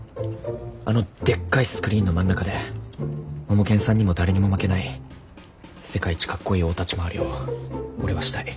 あのでっかいスクリーンの真ん中でモモケンさんにも誰にも負けない世界一かっこいい大立ち回りを俺はしたい。